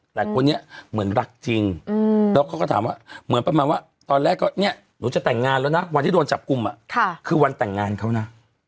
แต่คนนี้เหมือนรักจริงแล้วเขาก็ถามว่าเหมือนประมาณว่าตอนแรกก็เนี่ยหนูจะแต่งงานแล้วนะวันที่โดนจับกลุ่มคือวันแต่งงานเขานะ